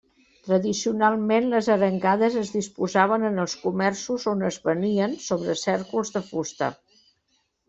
Tradicionalment les arengades es disposaven en els comerços on es venien sobre cèrcols de fusta.